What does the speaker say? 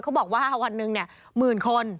เขาบอกว่าวันหนึ่งเนี่ยหมื่นคน